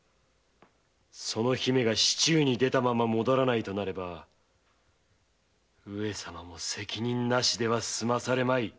その姫が市中に出たまま戻らないとなれば上様も責任なしでは済まされまい。